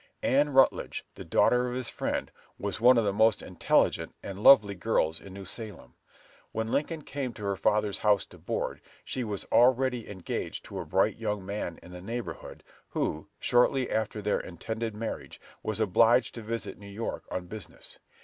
Ann Rutledge, the daughter of his friend, was one of the most intelligent and lovely girls in New Salem. When Lincoln came to her father's house to board, she was already engaged to a bright young man in the neighborhood, who, shortly before their intended marriage, was obliged to visit New York on business.